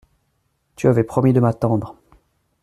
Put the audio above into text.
Tu avais promis de m’attendre.